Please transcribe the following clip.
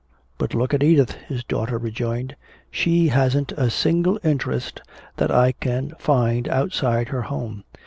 "But look at Edith," his daughter rejoined. "She hasn't a single interest that I can find outside her home.